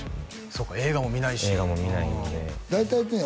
そうか映画も見ないし映画も見ないので大体ね